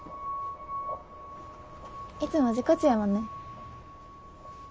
いつも自己中やもんね。